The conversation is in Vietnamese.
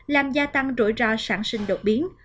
làm gia tăng rủi ro sản sinh đột biến